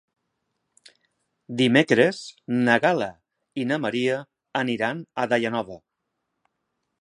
Dimecres na Gal·la i na Maria aniran a Daia Nova.